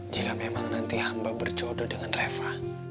jika memang nanti hamba berjodoh dengan reva